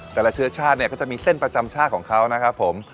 แต่ละเชื้อชาติเนี่ยก็จะมีเส้นประจำชาติของเขานะครับผม